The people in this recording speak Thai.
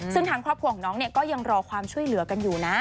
ซึ่งทางครอบครัวของน้องก็ยังรอความช่วยเหลือกันอยู่นะ